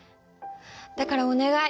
だからおねがい